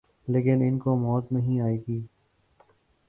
لیکن ان کوموت نہیں آئے گی